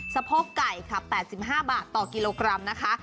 สะโพกไก่ค่ะ๘๕บาทต่อกิโลกรัมนะคะ